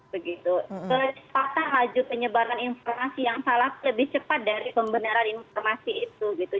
kepakatan laju penyebaran informasi yang salah lebih cepat dari pembelaan informasi itu